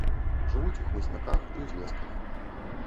Жывуць у хмызняках і ўзлесках.